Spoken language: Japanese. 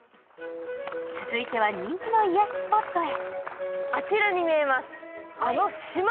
続いては人気の癒やしスポットへ。